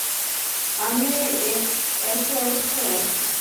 আমিও একই অবস্থায় আছি।